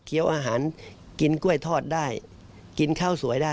อีก๑๐วันก็วัน๒๗เนอะ